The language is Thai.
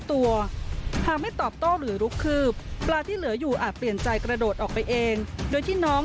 แต่ไม่ลงหนัก